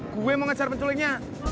gue mau ngejar penculiknya